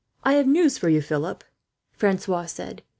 "I have news for you," Francois said.